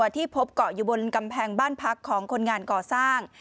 ที่พบเกาะอยู่บนกำแพงบ้านพักของคนงานก่อสร้าง